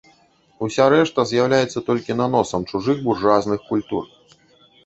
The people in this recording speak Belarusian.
Уся рэшта з'яўляецца толькі наносам чужых буржуазных культур.